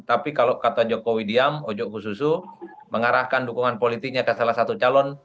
tapi kalau kata jokowi diam ojok khususu mengarahkan dukungan politiknya ke salah satu calon